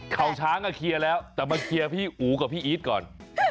เขาช้างก็เคลียร์แล้วแต่มาเคลียร์พี่อู๋กับพี่อีทก่อน